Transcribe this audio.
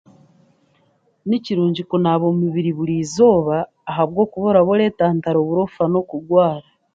Ni kirungi kunaaba omubiri burizooba ahabwokuba oraba oreentantara oburofa n'okurwara.